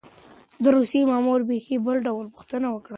د روسيې مامور بېخي بل ډول پوښتنه وکړه.